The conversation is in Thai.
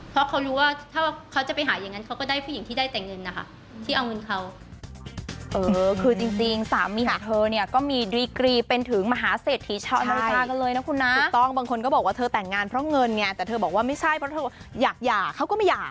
เพราะเขารู้ว่าถ้าเขาจะไปหาอย่างนั้นเขาก็ได้ผู้หญิงที่ได้แต่เงินนะคะที่เอาเงินเขา